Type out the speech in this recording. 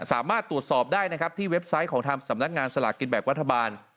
สามารถตรวจสอบได้นะครับที่เว็บไซต์ของทางสำนักงานสลากกินแบ่งรัฐบาล